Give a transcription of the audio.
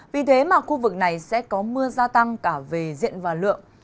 vì thế mà khu vực này sẽ có mưa gia tăng cả về diện và lượng